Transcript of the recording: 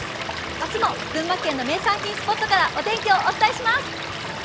明日も群馬県の名産品スポットからお天気をお伝えします。